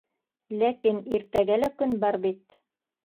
Ләкин иртәгә лә көн бар бит.